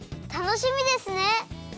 たのしみですね！